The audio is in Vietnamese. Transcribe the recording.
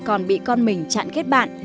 còn bị con mình chặn ghét bạn